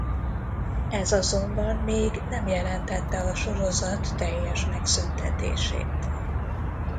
Ez azonban még nem jelentette a sorozat teljes megszüntetését.